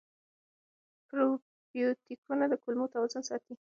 پروبیوتیکونه د کولمو توازن ساتي.